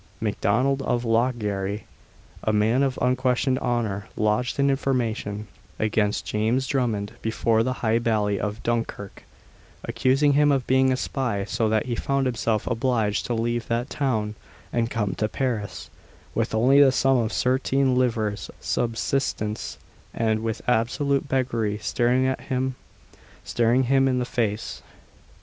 Mac Donnell of Lochgarry, a man of unquestioned honour, lodged an information against James Drummond before the High Bailie of Dunkirk, accusing him of being a spy, so that he found himself obliged to leave that town and come to Paris, with only the sum of thirteen livres for his immediate subsistence, and with absolute beggary staring him in the face.